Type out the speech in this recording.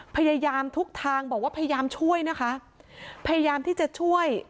พยายามทุกทางบอกว่าพยายามช่วยนะคะพยายามที่จะช่วย